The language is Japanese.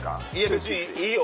別にいいよ